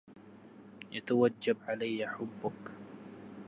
يتوجب عليه حُبك